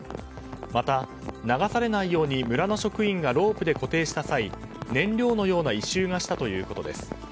また、流されないように村の職員がロープで固定した際燃料のような異臭がしたということです。